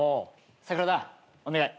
櫻田お願い。